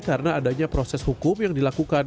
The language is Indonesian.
karena adanya proses hukum yang dilakukan